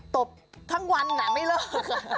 ตบทั้งวันไม่เลิก